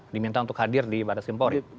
diminta untuk hadir di baris kempor